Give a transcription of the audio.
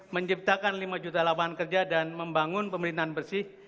menciptakan lima juta lapangan kerja dan membangun pemerintahan bersih